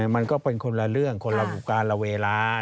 มันก็เป็นคนละเรื่องคนละการละเวลา